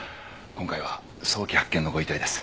今回は早期発見のご遺体です。